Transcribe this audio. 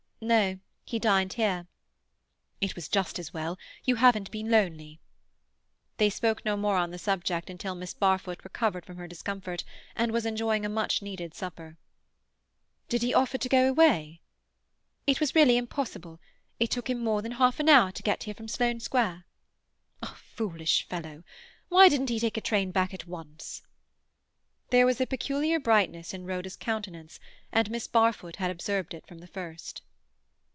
"No; he dined here." "It was just as well. You haven't been lonely." They spoke no more on the subject until Miss Barfoot recovered from her discomfort, and was enjoying a much needed supper. "Did he offer to go away?" "It was really impossible. It took him more than half an hour to get here from Sloane Square." "Foolish fellow! Why didn't he take a train back at once?" There was a peculiar brightness in Rhoda's countenance, and Miss Barfoot had observed it from the first.